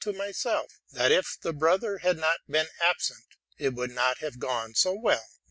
139 to myself, that, if the brother had not been absent, the friend would not have fared so well.